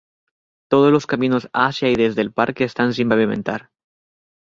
Todos los caminos hacia y desde el parque están sin pavimentar.